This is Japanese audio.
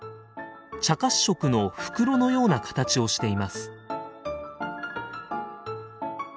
茶褐色の袋のような形をしています。